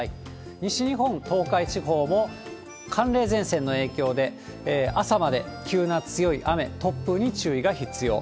西日本、東海地方も、寒冷前線の影響で朝まで急な強い雨、突風に注意が必要。